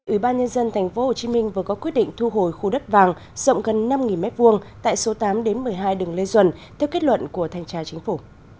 ủy ban nhân dân tp hcm vừa có quyết định thu hồi khu đất vàng rộng gần năm m hai tại số tám một mươi hai đường lê duẩn theo kết luận của thanh tra chính phủ